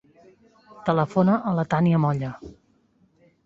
Telefona a la Tània Molla.